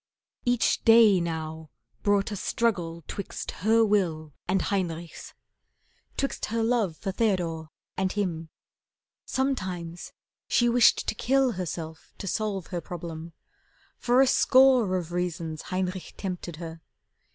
Each day now brought a struggle 'twixt her will And Heinrich's. 'Twixt her love for Theodore And him. Sometimes she wished to kill Herself to solve her problem. For a score Of reasons Heinrich tempted her.